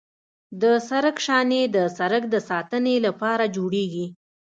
د سړک شانې د سړک د ساتنې لپاره جوړیږي